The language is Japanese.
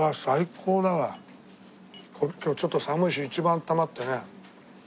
今日ちょっと寒いし一番あったまってね。